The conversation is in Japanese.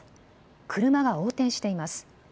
車が横転しています。